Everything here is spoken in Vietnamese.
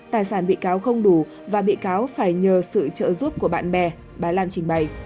tài sản bị cáo không đủ và bị cáo phải nhờ sự trợ giúp của bạn bè bà lan trình bày